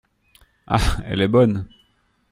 Ah ! elle est bonne !